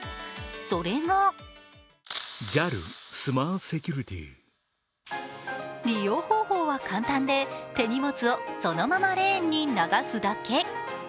それが利用方法は簡単で、手荷物をそのままレーンに流すだけ。